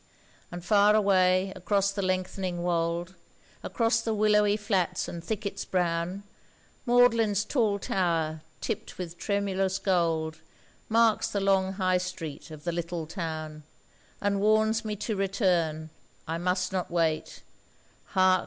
And far away across the lengthening wold, Across the willowy flats and thickets brown, Magdalen's tall tower tipped with tremulous gold Marks the long High Street of the little town, And warns me to return; I must not wait, Hark!